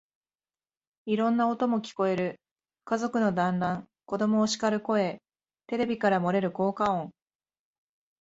いろんな音も聞こえる。家族の団欒、子供をしかる声、テレビから漏れる効果音、